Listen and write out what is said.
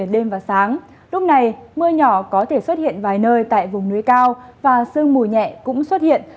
đêm và sáng lúc này mưa nhỏ có thể xuất hiện vài nơi tại vùng núi cao và sương mù nhẹ cũng xuất hiện